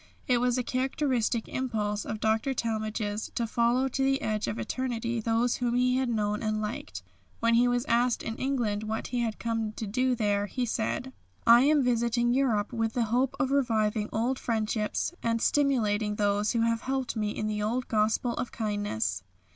It was a characteristic impulse of Dr. Talmage's to follow to the edge of eternity those whom he had known and liked. When he was asked in England what he had come to do there, he said: "I am visiting Europe with the hope of reviving old friendships and stimulating those who have helped me in the old gospel of kindness."